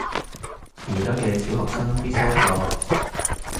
而家嘅小學生必修課